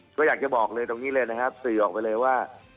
ก็อยากจะบอกเลยตรงนี้เลยนะครับสื่อออกไปเลยว่า